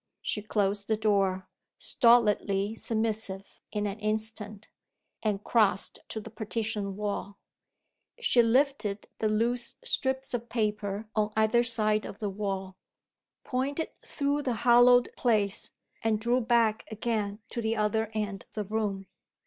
She closed the door, stolidly submissive in an instant; and crossed to the partition wall. She lifted the loose strips of paper on either side of the wall pointed through the hollowed place and drew back again to the other end of the room.